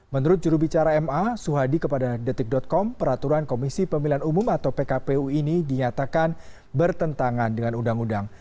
menurut jurubicara ma suhadi kepada detik com peraturan komisi pemilihan umum atau pkpu ini dinyatakan bertentangan dengan undang undang